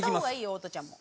ホトちゃんも。